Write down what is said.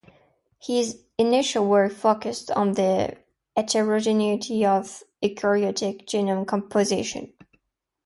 His initial work focused on the heterogeneity of eukaryotic genome composition.